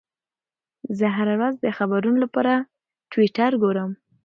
زه هره ورځ د خبرونو لپاره ټویټر ګورم.